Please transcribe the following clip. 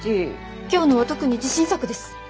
今日のは特に自信作です！